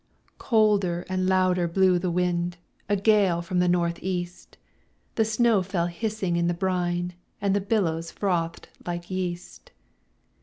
Colder and louder blew the wind, A gale from the North east; The snow fell hissing in the brine, And the billows frothed like yeast.